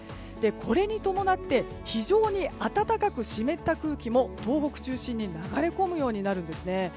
これに伴って非常に暖かく湿った空気も東北中心に流れ込むようになるんですね。